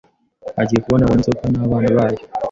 Agiye kubona abona inzoka n' abana bayo